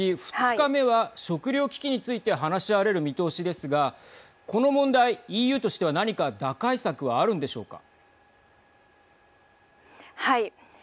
２日目は食糧危機について話し合われる見通しですがこの問題、ＥＵとしては何か打開策はあるんでしょうか。